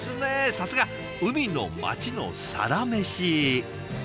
さすが海の町のサラメシ。